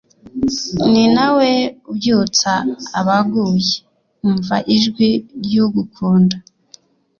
Ninawe ubyutsa abaguye umva ijwi ryugukunda